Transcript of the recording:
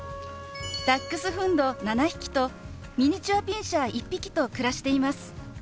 ダックスフンド７匹とミニチュアピンシャー１匹と暮らしています。